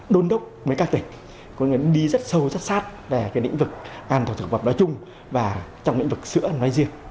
đôn đốc với các tỉnh có nghĩa là đi rất sâu rất sát về cái lĩnh vực an toàn thực phẩm đó chung và trong lĩnh vực sữa nói riêng